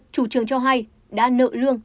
chủ trường cho hay đã nợ lương